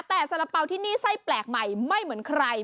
แต่สาระเป๋าที่นี่ไส้แปลกใหม่ไม่เหมือนใคร